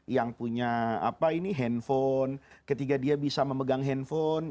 yang punya handphone ketika dia bisa memegang handphone